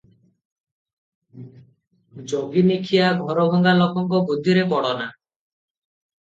ଯୋଗିନୀଖିଆ ଘରଭଙ୍ଗା ଲୋକଙ୍କ ବୁଦ୍ଧିରେ ପଡ଼ ନା ।